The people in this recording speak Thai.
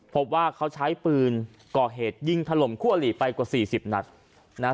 พบว่าเขาใช้ปืนก่อเหตุยิงถล่มคั่วหลีไปกว่าสี่สิบนัดนะฮะ